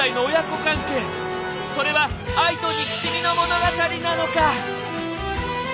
それは愛と憎しみの物語なのか？